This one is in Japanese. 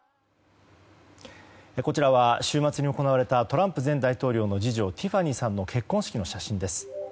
こちらは週末に行われたトランプ前大統領の次女ティファニーさんの結婚式の写真です。